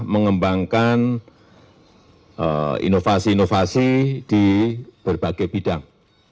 mengembangkan inovasi inovasi di berbagai bidang